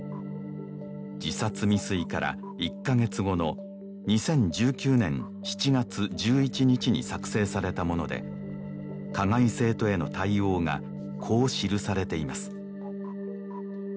自殺未遂から１カ月後の２０１９年７月１１日に作成されたもので加害生徒への対応がこう記されています